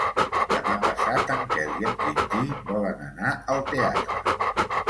Demà passat en Quel i en Quintí volen anar al teatre.